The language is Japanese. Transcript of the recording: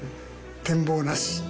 展望なし。